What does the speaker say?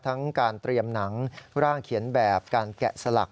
ทั้งการเตรียมหนังร่างเขียนแบบการแกะสลัก